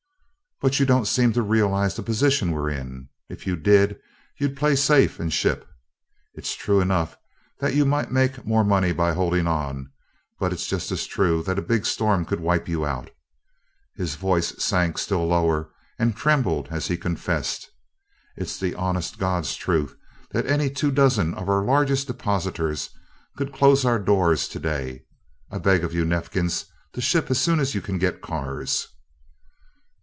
"But you don't seem to realize the position we're in. If you did, you'd play safe and ship. It's true enough that you might make more by holding on, but it's just as true that a big storm could wipe you out." His voice sank still lower and trembled as he confessed: "It's the honest God's truth that any two dozen of our largest depositors could close our doors to day. I beg of you, Neifkins, to ship as soon as you can get cars."